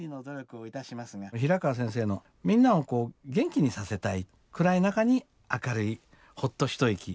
平川先生のみんなを元気にさせたい暗い中に明るいほっと一息を届けるようなね